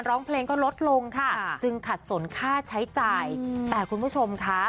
ร้องเพลงก็ลดลงค่ะจึงขัดสนค่าใช้จ่ายแต่คุณผู้ชมค่ะ